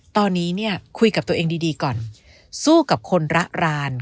ตอนนี้เนี่ยคุยกับตัวเองดีก่อนสู้กับคนระราน